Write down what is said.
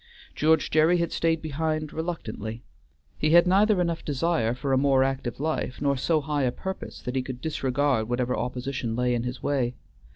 George Gerry had stayed behind reluctantly. He had neither enough desire for a more active life, nor so high a purpose that he could disregard whatever opposition lay in his way.